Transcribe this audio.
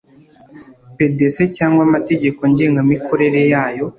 pdc cyangwa amategeko ngengamikorere yayo